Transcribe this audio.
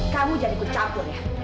kamu jadi ku campur ya